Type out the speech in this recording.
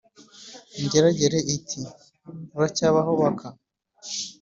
ingeragere iti: “uracyabaho baka !